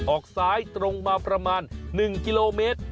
ออกซ้ายตรงมาประมาณ๑กิโลเมตร